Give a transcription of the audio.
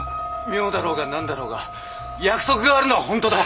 妙だろうが何だろうが約束があるのは本当だ。